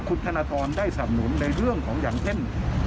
คุณขณะตอนได้สำนุนเรื่องอย่างเช่น